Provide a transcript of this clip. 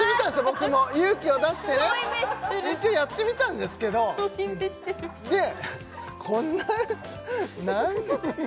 僕も勇気を出してね一応やってみたんですけどで遠い目してるこんな何？